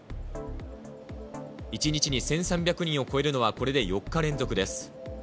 １日に１３００人を超えるのはこれで４日連続です。